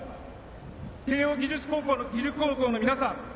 慶応義塾高校の皆さん